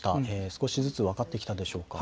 少しずつ分かってきたでしょうか。